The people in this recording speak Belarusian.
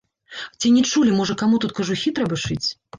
Ці не чулі, можа, каму тут кажухі трэба шыць?